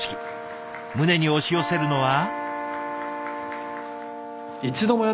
胸に押し寄せるのは。